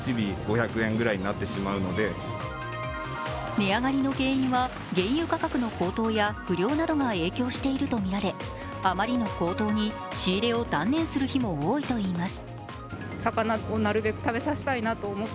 値上がりの原因は原油価格の高騰や不漁などが影響しているとみられあまりの高騰に仕入れを断念する日も多いといいます。